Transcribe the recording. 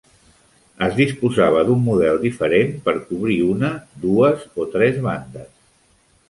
Es disposava d'un model diferent per cobrir una, dues o tres bandes.